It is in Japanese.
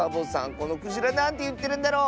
このクジラなんていってるんだろう